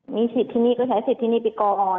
มีสิทธิ์ที่นี่ก็ใช้สิทธิ์ที่นี่ไปกออน